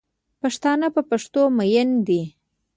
پښتانه په پښتو میین دی